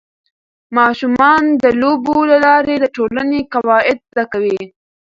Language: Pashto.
ماشومان د لوبو له لارې د ټولنې قواعد زده کوي.